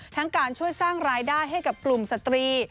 การช่วยสร้างรายได้ให้กับกลุ่มสตรี